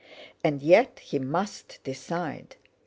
And yet he must decide!